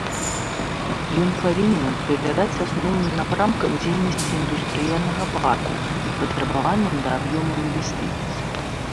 Ён павінен адпавядаць асноўным напрамкам дзейнасці індустрыяльнага парку і патрабаванням да аб'ёму інвестыцый.